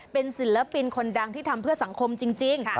เป็นศิลปินคนดังที่ทำเพื่อสังคมจริง